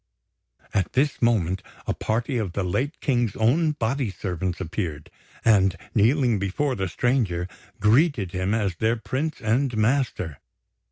At this moment, a party of the late King's own body servants appeared, and, kneeling before the stranger, greeted him as their prince and master.